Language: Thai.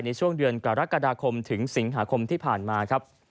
ในช่วงเดือนกรกฎาคมถึงสิงหาคมที่ผ่านมาครับ